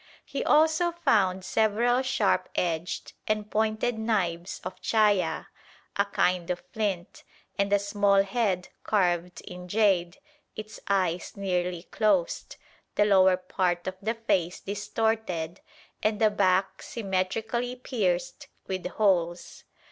He also found several sharp edged and pointed knives of chaya, a kind of flint, and a small head carved in jade, its eyes nearly closed, the lower part of the face distorted, and the back symmetrically pierced with holes.